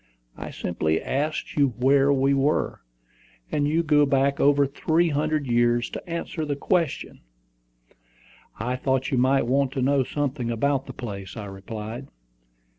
I simply asked you where we were, and you go back over three hundred years to answer the question." "I thought you might want to know something about the place," I replied.